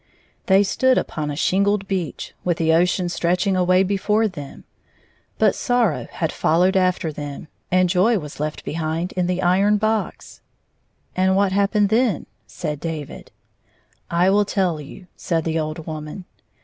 They stood upon a shingled beach, with the ocean stretching away before them. But Sorrow had followed after them, and Joy was left behind in the iron box. " And what happened then ?" said David. " I will tell you," said the old woman.